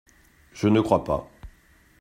Je ne crois pas…